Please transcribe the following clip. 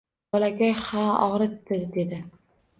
Bolakay, ha, ogʻritdi dedi.